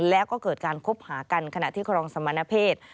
แล้วก็เกิดการคบหากันขณะที่ครองสมณเพศ